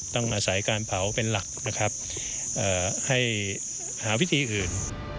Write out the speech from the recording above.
ต้องอาศัยการเผาเป็นหลักนะครับให้หาวิธีอื่น